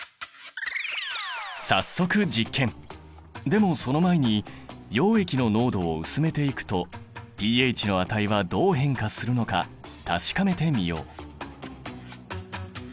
でもその前に溶液の濃度を薄めていくとｐＨの値はどう変化するのか確かめてみよう。